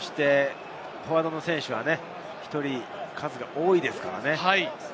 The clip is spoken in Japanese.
フォワードの選手は１人数が多いですからね。